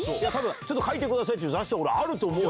ちょっと描いてくださいっていう雑誌、俺、あると思うよ。